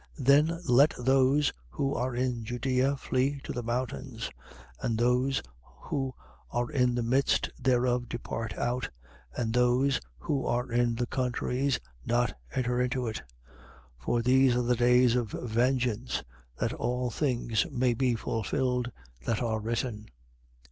21:21. Then let those who are in Judea flee to the mountains: and those who are in the midst thereof depart out: and those who are in the countries not enter into it. 21:22. For these are the days of vengeance, that all things may be fulfilled, that are written.